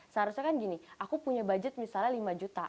seharusnya kan gini aku punya budget misalnya lima juta